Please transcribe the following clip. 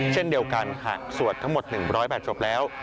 เช่นเดียวกันหากสวดทั้งหมดถึงบร้อยประชบแล้ว